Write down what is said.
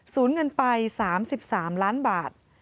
เงินไป๓๓ล้านบาท